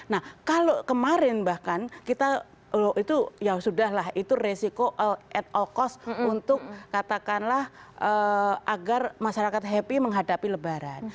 nah kalau kemarin bahkan kita itu ya sudah lah itu resiko at all cost untuk katakanlah agar masyarakat happy menghadapi lebaran